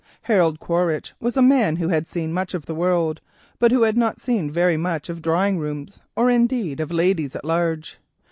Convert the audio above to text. Harold Quaritch was a man who had seen much of the world, but who had not seen very much of drawing rooms, or, indeed, of ladies at large.